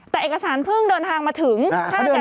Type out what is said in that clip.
แต่เอกสารเพิ่งเดินทางมาถึงท่ากับสยาน